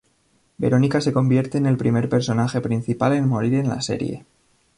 Veronica se convierte en el primer personaje principal en morir en la serie.